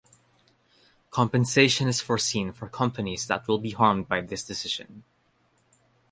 Compensation is foreseen for companies that will be harmed by this decision.